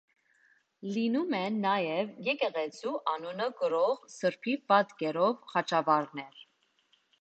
Լինում են նաև եկեղեցու անունը կրող սրբի պատկերով խաչվառներ։